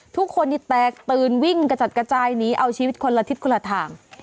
ทุกคนที่แตกตื่นวิ่งกระจัดกระจายหนีเอาชีวิตคนละทิศคนละทาง